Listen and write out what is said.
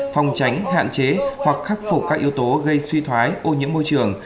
phòng tránh hạn chế hoặc khắc phục các yếu tố gây suy thoái ô nhiễm môi trường